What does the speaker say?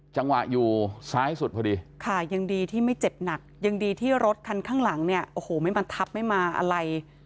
จังหวะอยู่ซ้ายสุดพอดีค่ะยังดีที่ไม่เจ็บหนักยังดีที่รถคันข้างหลังเนี่ยโอ้โหไม่มันทับไม่มาอะไร